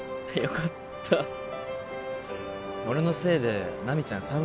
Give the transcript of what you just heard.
よかった俺のせいで奈未ちゃん